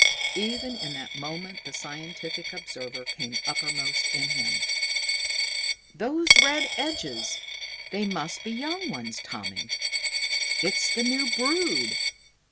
Even in that moment the scientific observer came uppermost in him. "Those red edges? They must be young ones, Tommy. It's the new brood!